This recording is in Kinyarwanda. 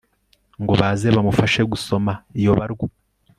ngo baze bamufashe gusoma iyo barwa